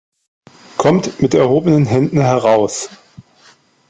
Kommt mit erhobenen Händen heraus!